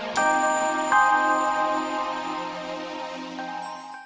ketemu lagi di film